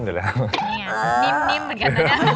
นิ่มเหมือนกันน่ะเนี่ย